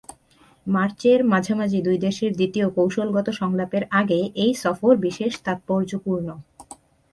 মার্চের মাঝামাঝি দুই দেশের দ্বিতীয় কৌশলগত সংলাপের আগে এই সফর বিশেষ তাৎপর্যপূর্ণ।